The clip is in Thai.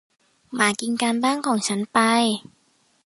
หมากินการบ้านของฉันไป